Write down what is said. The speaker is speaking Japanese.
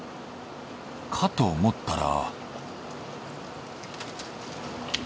かと思ったら。